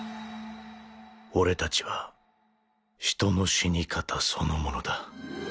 俺たちは人の死に方そのものだ。